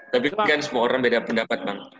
tapi kan semua orang beda pendapat bang